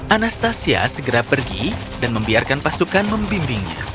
anastasia segera pergi dan membiarkan pasukan membimbingnya